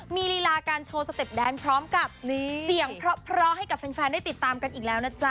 มีลีลาการโชว์สเต็ปแดนพร้อมกับเสียงเพราะให้กับแฟนได้ติดตามกันอีกแล้วนะจ๊